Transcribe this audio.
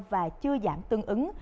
và chưa giảm tương ứng